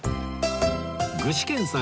具志堅さん